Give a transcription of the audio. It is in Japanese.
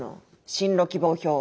進路希望表。